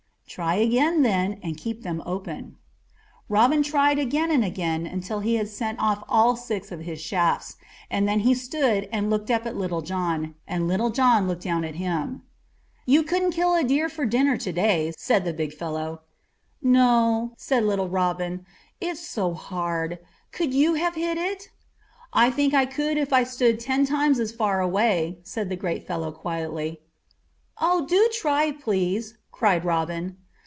"Try again then, and keep them open." Robin tried and tried again till he had sent off all six of his shafts, and then he stood and looked up at Little John, and Little John looked down at him. "You couldn't kill a deer for dinner to day," said the big fellow. "No," said young Robin; "it's so hard. Could you have hit it?" "I think I could if I stood ten times as far away," said the great fellow quietly. "Oh, do try, please," cried Robin.